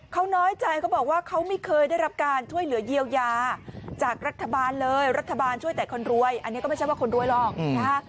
เขาน้อยใจเขาบอกว่าเขาไม่เคยได้รับการช่วยเหลือเยียวยาจากรัฐบาลเลยรัฐบาลช่วยแต่คนรวยอันนี้ก็ไม่ใช่ว่าคนรวยหรอกนะฮะ